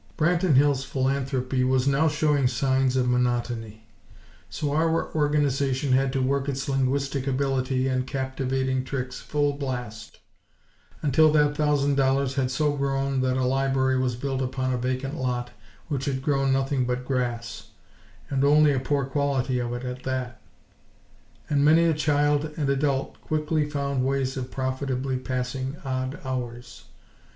Branton Hills' philanthropy was now showing signs of monotony; so our Organization had to work its linguistic ability and captivating tricks full blast, until that thousand dollars had so grown that a library was built upon a vacant lot which had grown nothing but grass; and only a poor quality of it, at that; and many a child and adult quickly found ways of profitably passing odd hours.